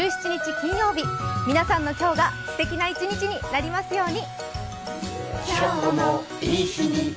金曜日皆さんの今日がすてきな１日になりますように。